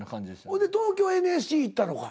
ほんで東京ＮＳＣ行ったのか。